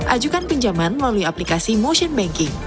ajukan pinjaman melalui aplikasi motion banking